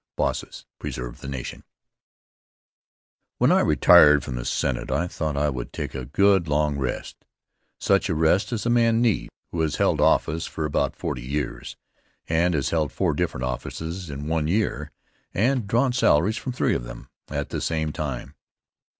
Bosses Preserve the Nation WHEN I retired from the Senate, I thought I would take a good, long rest, such a rest as a man needs who has held office for about forty years, and has held four different offices in one year and drawn salaries from three of them at the same time.